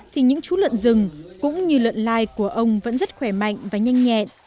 thì những chú lợn rừng cũng như lợn lai của ông vẫn rất khỏe mạnh và nhanh nhẹn